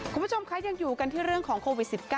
คุณผู้ชมคะยังอยู่กันที่เรื่องของโควิด๑๙